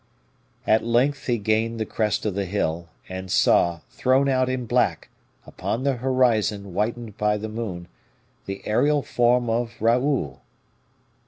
At length he gained the crest of the hill, and saw, thrown out in black, upon the horizon whitened by the moon, the aerial form of Raoul.